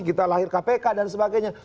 kita lahir kpk dan sebagainya